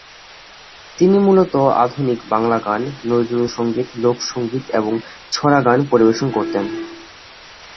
তিনি মূলত আধুনিক বাংলা গান, নজরুল সঙ্গীত, লোক সঙ্গীত ও ছড়া গান পরিবেশন করতেন।